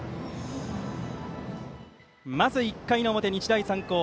まず１回の表、日大三高。